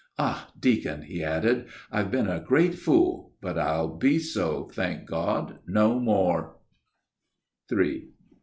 Ah, deacon," he added, "I've been a great fool, but I'll be so, thank God! no more."